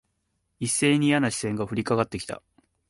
一斉にいやな視線が降りかかって来た。